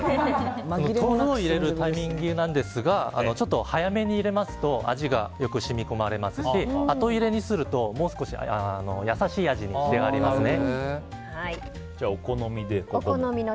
豆腐を入れるタイミングですがちょっと早めに入れますと味がよく染み込みますし後入れにすると、もう少し優しい味に仕上がりますね。